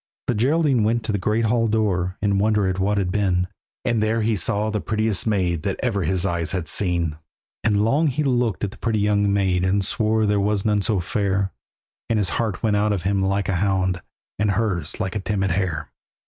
The Geraldine went to the great hall door, In wonder at what had been, And there he saw the prettiest maid That ever his eyes had seen. And long he looked at the pretty young maid, And swore there was none so fair; And his heart went out of him like a hound, And hers like a timid hare.